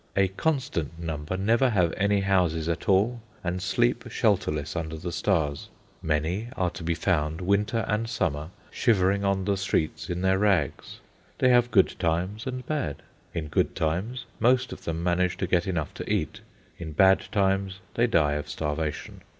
A constant number never have any houses at all, and sleep shelterless under the stars. Many are to be found, winter and summer, shivering on the streets in their rags. They have good times and bad. In good times most of them manage to get enough to eat, in bad times they die of starvation.